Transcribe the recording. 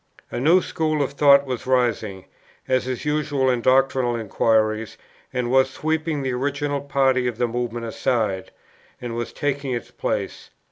A new school of thought was rising, as is usual in doctrinal inquiries, and was sweeping the original party of the Movement aside, and was taking its place.